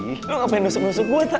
ini lo ngapain nusuk nusuk gue tak